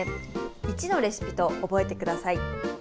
１のレシピと覚えてください。